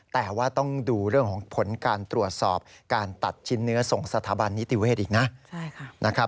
แต่ว่าต้องดูเรื่องของผลการตรวจสอบการตัดชิ้นเนื้อส่งสถาบันนิติเวศอีกนะ